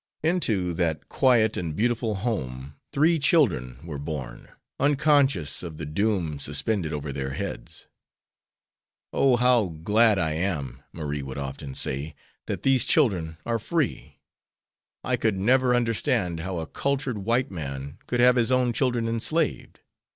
Into that quiet and beautiful home three children were born, unconscious of the doom suspended over their heads. "Oh, how glad I am," Marie would often say, "that these children are free. I could never understand how a cultured white man could have his own children enslaved.